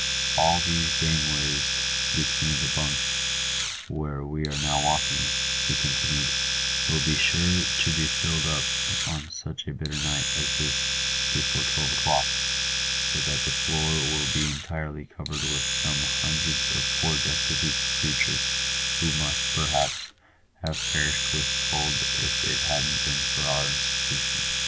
All these gangways between the bunks, where we are now walking," he con tinued, " will be sure to be filled up on such a bitter night as this before twelve o'clock, so that the floor will be entirely covered with some hundreds of poor destitute creatures, who must, perhaps, have perished with cold if it hadn't been for our institution.